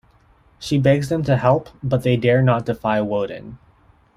She begs them to help, but they dare not defy Wotan.